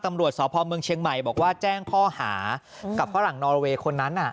ตำรวจสอบภอมเมืองเชียงใหม่บอกว่าแจ้งพ่อหากับพ่อหลังนอลเวย์คนนั้นน่ะ